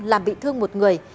làm bị thương một người